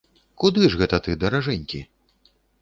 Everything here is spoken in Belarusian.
Куды ж гэта ты, даражэнькі?